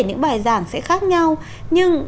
những bài giảng sẽ khác nhau nhưng